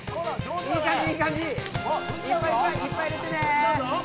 いっぱい入れてね！